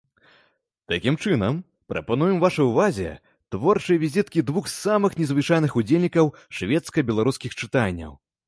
Такім чынам, прапануем вашай увазе творчыя візіткі двух самых незвычайных удзельнікаў шведска-беларускіх чытанняў.